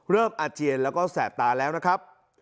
อาเจียนแล้วก็แสบตาแล้วนะครับ